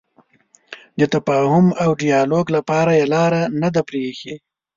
د تفاهم او ډیالوګ لپاره یې لاره نه ده پرېښې.